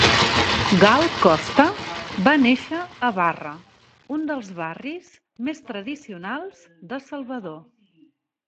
Gal Costa va néixer a Barra, un dels barris més tradicionals de Salvador.